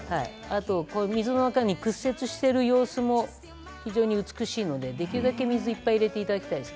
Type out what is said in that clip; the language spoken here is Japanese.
水の中に屈折している様子も非常に美しいのでできるだけ水をいっぱい入れていただきたいんです。